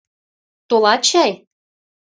Толат чай?